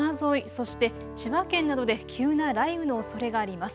そして千葉県などで急な雷雨のおそれがあります。